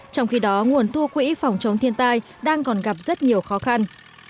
trong khi đó nguồn thu quỹ phòng chống thiên tai đang còn gặp rất nhiều khó khăn